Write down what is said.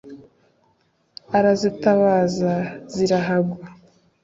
arazitabaza zirahagwa.